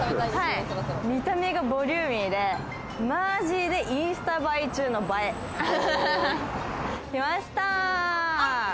見た目がボリューミーで、マジでインスタ映え中の映え。来ました。